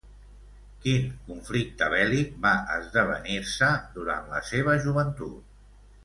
Quin conflicte bèl·lic va esdevenir-se durant la seva joventut?